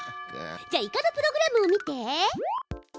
じゃあイカのプログラムを見て！